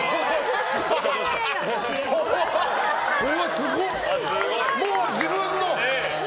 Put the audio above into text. すごい、もう自分の。